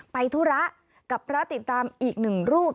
ธุระกับพระติดตามอีกหนึ่งรูป